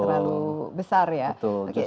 terlalu besar ya betul